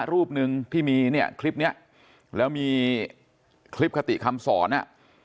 รูปหนึ่งที่มีเนี่ยคลิปเนี้ยแล้วมีคลิปคติคำสอนอ่ะ